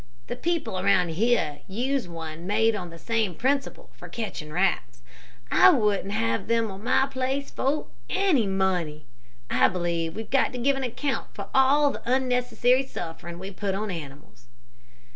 The people around here use one made on the same principle for catching rats. I wouldn't have them on my place for any money. I believe we've got to give an account for all the unnecessary suffering we put on animals."